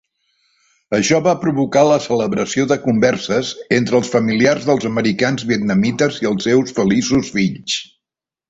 Això va provocar la celebració de converses entre els familiars dels americans vietnamites i els seus feliços fills.